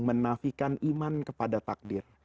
menafikan iman kepada takdir